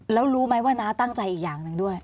แล้วรู้ไหมว่าน้าตั้งใจอีกอย่างหนึ่งด้วย